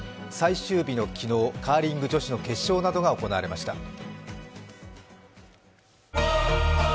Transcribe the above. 最終日の昨日、カーリング女子の決勝などが行われました。